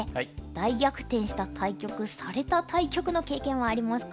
大逆転した対局された対局の経験はありますか？